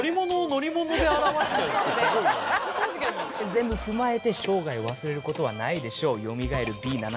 全部踏まえて「生涯忘れることはないでしょう」